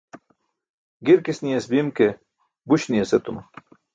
Girks niyas bim ke, buś niyas etuma.